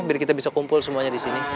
biar kita bisa kumpul semuanya disini